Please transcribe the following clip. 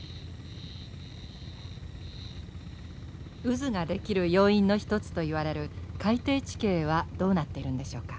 渦が出来る要因の一つといわれる海底地形はどうなってるんでしょうか？